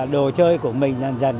đồ chơi của mình dần dần